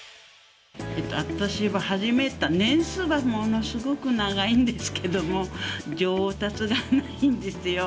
私は始めた年数はものすごく長いんですけども上達がないんですよ。